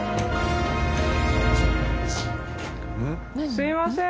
すいません。